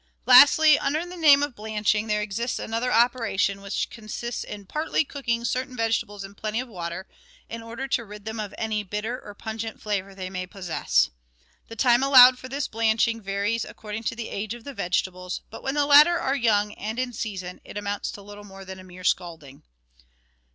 Lastly, under the name of " blanching," there exists another operation which consists in partly cooking certain vegetables in plenty of water, in order to rid them of any bitter or pungent flavour they may possess. The time allowed for this blanching varies according to the age of the vegetables, but when the latter are young and in season, it amounts to little more than a mere scalding.